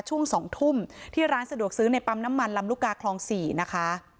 ช่วง๒ทุ่มที่ร้านสะดวกซื้อในปั๊มน้ำมันลำลูกกาคลอง๔นะคะ